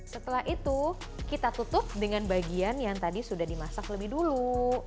setelah itu kita tutup dengan bagian yang tadi sudah dimasak lebih dulu